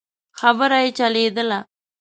خبره يې چلېدله.